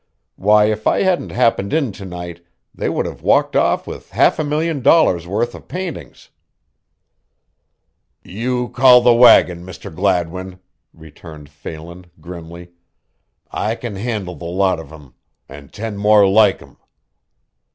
Why, if I hadn't happened in to night they would have walked off with half a million dollars' worth of paintings." "You call the wagon, Mr. Gladwin," returned Phelan, grimly. "I kin handle the lot of o' them an' ten more like them."